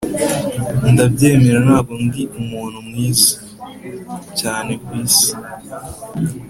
ndabyemera, ntabwo ndi umuntu mwiza cyane kwisi.